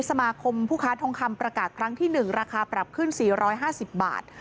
สมาคมผู้ค้าทองคำประกาศครั้งที่หนึ่งราคาปรับขึ้นสี่ร้อยห้าสิบบาท